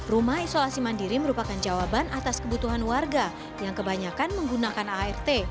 rumah isolasi mandiri merupakan jawaban atas kebutuhan warga yang kebanyakan menggunakan art